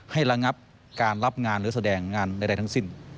ระงับการรับงานหรือแสดงงานใดทั้งสิ้น